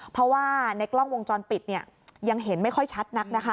เพราะว่าในกล้องวงจรปิดยังเห็นไม่ค่อยชัดนักนะคะ